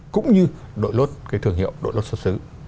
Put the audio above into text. cũng như đội lốt cái thương hiệu đội lốt xuất xứ